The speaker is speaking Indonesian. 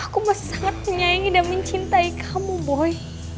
aku sangat menyayangi dan mencintai kamu boy